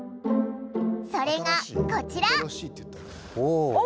それがこちら！